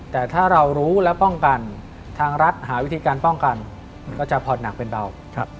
แต่ถ้าเรารู้และป้องกันทางรัฐหาวิธีการป้องกันก็จะผ่อนหนักเป็นเบา